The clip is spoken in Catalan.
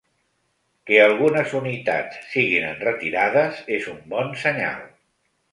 Que algunes unitats siguin enretirades, és un bon senyal.